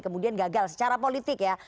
kemudian gagal secara politik ya